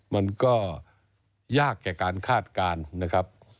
มันก็ยากแก่การคาดการณ์นะครับ